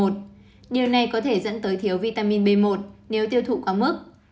điều này có thể dẫn tới thiếu vitamin b một nếu tiêu thụ quá mức